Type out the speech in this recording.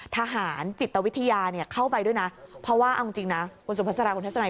ทหารจิตวิทยาเนี่ยเข้าไปด้วยนะเพราะว่าเอาจริงนะคุณสุภาษาราคุณทัศนัย